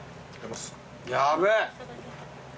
やべえ。